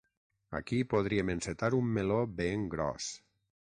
Aquí podríem encetar un meló ben gros.